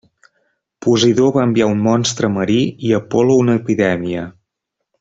Posidó va enviar un monstre marí, i Apol·lo una epidèmia.